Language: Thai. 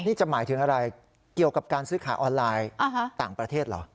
นี่จะหมายถึงอะไรเกี่ยวกับการซื้อขายออนไลน์ต่างประเทศเหรอ